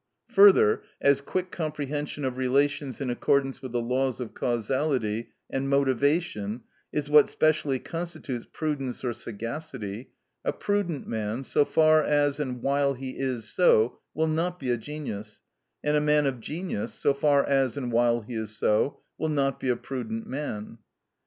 _" Further, as quick comprehension of relations in accordance with the laws of causality and motivation is what specially constitutes prudence or sagacity, a prudent man, so far as and while he is so, will not be a genius, and a man of genius, so far as and while he is so, will not be a prudent man.